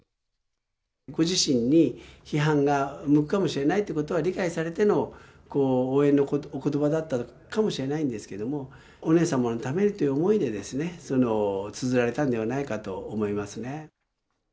ご自身に批判が向くかもしれないというのは理解されての応援のおことばだったかもしれないんですけれども、お姉さまのためにという思いでつづられたんではないかと思いますね。